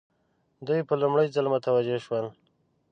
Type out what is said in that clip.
دوی په لومړي ځل متوجه شول.